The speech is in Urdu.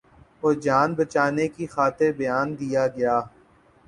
اورجان بچانے کی خاطر بیان دیاگیا۔